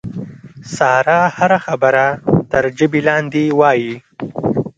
ساره هره خبره تر ژبې لاندې وایي.